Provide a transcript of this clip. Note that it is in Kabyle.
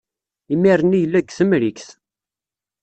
Imir-nni yella deg Temrikt.